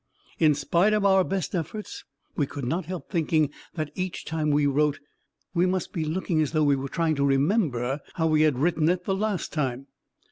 In spite of our best efforts, we could not help thinking that each time we wrote it we must be looking as though we were trying to remember how we had written it the last time.